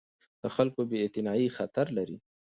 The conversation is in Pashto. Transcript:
د خلکو بې اعتنايي خطر لري